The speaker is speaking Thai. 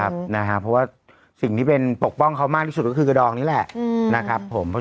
เพราะว่าสิ่งที่ปกป้องเขามากที่สุดก็คือกระดองนี่แหละ